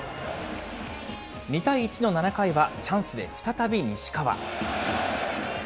２対１の７回は、チャンスで再び西川。